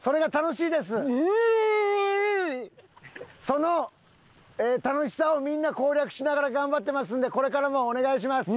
その楽しさをみんな攻略しながら頑張ってますんでこれからもお願いします。